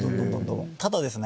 ただですね